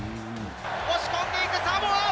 押し込んでいくサモア。